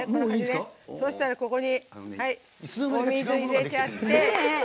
そしたら、お水を入れちゃって。